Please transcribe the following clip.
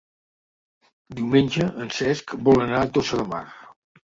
Diumenge en Cesc vol anar a Tossa de Mar.